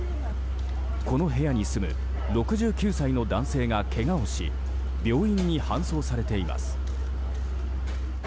この部屋に住む６９歳の男性がけがをし病院に搬送されています。